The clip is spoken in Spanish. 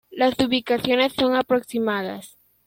Las ubicaciones son aproximadas.